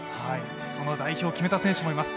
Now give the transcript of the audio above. その代表を決めた選手もいます